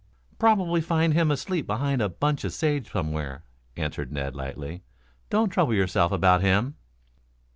"Probably find him asleep behind a bunch of sage somewhere," answered Ned lightly. "Don't trouble yourself about him."